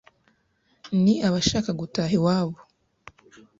ni abashaka gutaha iwabo